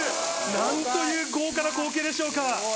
何という豪華な光景でしょうか。